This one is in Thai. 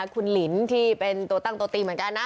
คุณหลินที่เป็นตัวตั้งตัวตีเหมือนกันนะ